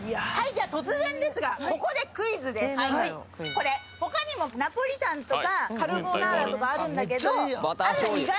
これ他にもナポリタンとかカルボナーラとかあるんだけど。